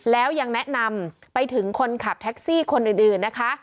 แล้วยังแนะนำไปถึงคนขับแท็กซี่คนอื่นนะคะ